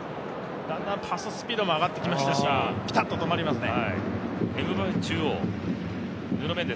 だんだんパススピードも上がってきましたしピタッと止まりますね。